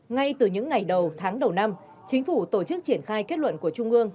ngay từ những ngày đầu tháng đầu năm chính phủ tổ chức triển khai kết luận của trung ương